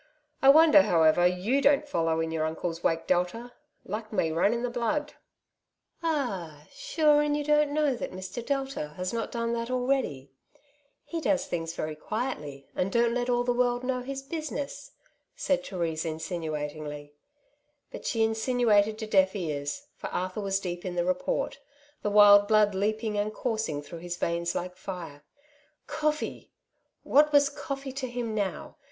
I wonder however you don't follow in your nncle'a wake, Delta ; luck may run in the blood/' ''Ah, sure, an' you don''t know that Mr. Delta has not done that already ; he does things very quietly, and don't let all the world know his business/' said Therese insinuatingly, but she insinuated to deaf ears, for Arthur was deep in the report, the vrild blood leaping and coursing through his veins like fire. Coflfee ! what was cofEee to him now